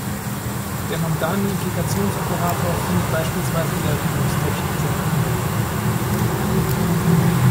Der "Mamdani-Implikationsoperator" findet beispielsweise in der Regelungstechnik seine Anwendung.